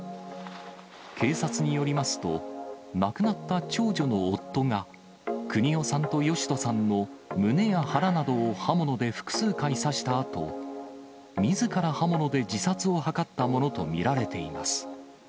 警察によりますと、亡くなった長女の夫が、邦雄さんと義人さんの胸や腹など刃物で複数回刺したあと、みずから刃物で自殺を図ったものと見られています。